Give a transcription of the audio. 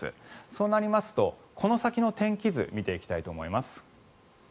そうなりますとこの先の天気図を見ていきたいと思います。